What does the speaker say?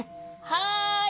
はい！